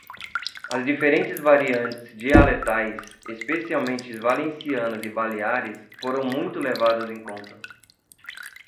As diferentes variantes dialetais, especialmente valencianas e baleares, foram muito levadas em conta.